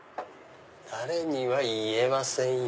誰には言えませんよ。